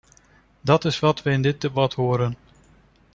Dat is wat we in dit debat horen.